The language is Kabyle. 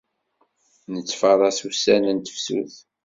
Nettfaṛas ussan n tefsut